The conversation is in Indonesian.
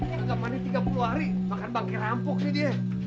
anggapannya tiga puluh hari makan bangkai rampoknya dia